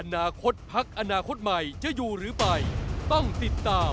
อนาคตพักอนาคตใหม่จะอยู่หรือไปต้องติดตาม